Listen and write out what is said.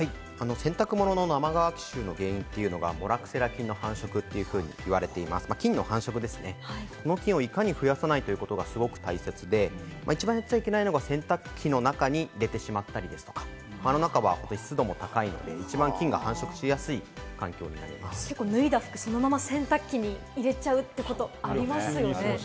洗濯物の生乾き臭の原因は、モラクセラ菌の繁殖ということなんですが、この菌をいかに増やさないということが大切で、一番やっちゃいけないのは洗濯機の中に入れてしまったりとか、湿度が高いので、一番菌が繁殖しやすい環境に脱いだ服、そのまま洗濯機に入れちゃうっていうことありますよね？